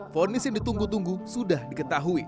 fonis yang ditunggu tunggu sudah diketahui